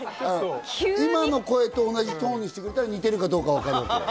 今の声と同じトーンにしてくれたら似ているかわかるから。